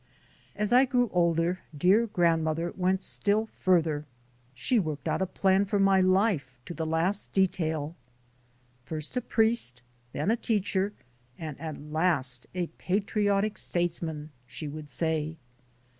As I grew older dear grandmother went still further; she worked out a plan for my life to the last detail. "First a priest, then a teacher, and at last a patriotic statesman," she would say.